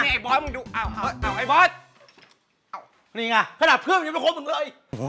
นี่ง่ะขนาดเพื่อนมันยังไม่พมมึงเลย